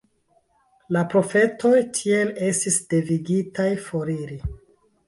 La profetoj tiel estis devigitaj foriri.